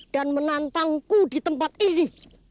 dan menantangku di tempat ini